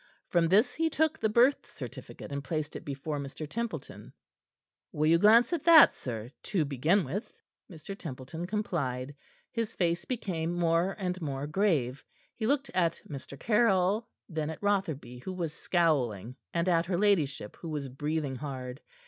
From this he took the birth certificate, and placed it before Mr. Templeton, "Will you glance at that, sir to begin, with? " Mr. Templeton complied. His face became more and more grave. He looked at Mr. Caryll; then at Rotherby, who was scowling, and at her ladyship, who was breathing hard.